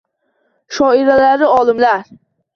Shoirlaru olimlar.